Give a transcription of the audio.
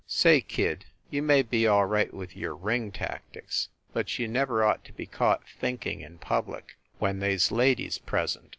"Say, kid, you may be all right with your ring tactics, but you never ought to be caught thinking in public when they s ladies present.